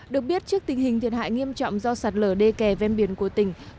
được biết trước tình hình thiệt hại nghiêm trọng do sạt lở đê kè ven biển của tỉnh